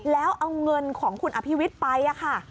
แล้วเอาเงินของคุณอภิวิตไปค่ะ